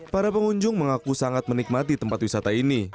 para pengunjung mengaku sangat menikmati tempat wisata ini